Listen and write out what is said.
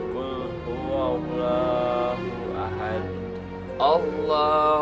terima kasih usti allah